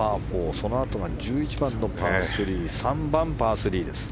そのあとが１１番のパー３３番、パー３です。